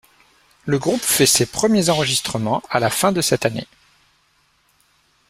Le groupe fait ses premiers enregistrements à la fin de cette année.